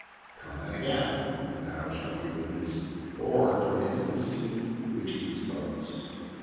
Come then again, and thou shalt be released or thrown into the sea which eats boats."